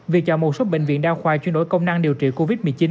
việc chọn một số bệnh viện đa khoa chuyển đổi công năng điều trị covid một mươi chín